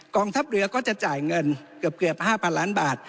ทัพเรือก็จะจ่ายเงินเกือบ๕๐๐ล้านบาท